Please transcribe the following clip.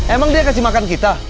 emang dia kasih makan kita